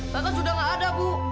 kakak sudah nggak ada bu